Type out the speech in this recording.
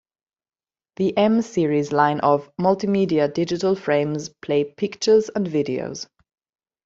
The M-series line of "multimedia" digital frames play pictures and videos.